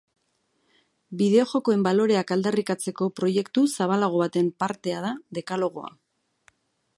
Bideojokoen baloreak aldarrikatzeko proiektu zabalago baten partea da dekalogoa.